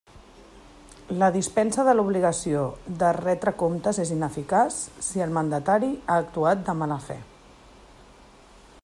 La dispensa de l'obligació de retre comptes és ineficaç si el mandatari ha actuat de mala fe.